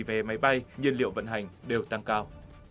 về máy bay nhiên liệu vận hành đều tăng cao